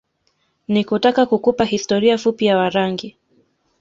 Ni kutaka kukupa historia fupi ya Warangi